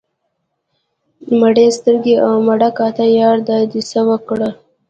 مړې سترګې او مړه کاته ياره دا دې څه اوکړه